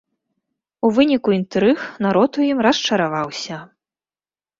У выніку інтрыг народ у ім расчараваўся.